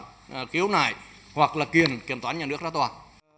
cho nên để khiếu nải hoặc là kiểm toán nhà nước ra toàn